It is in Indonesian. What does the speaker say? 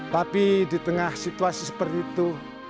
tapi di tengah situasi seperti itu